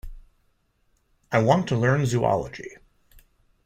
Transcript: I want to learn Zoology.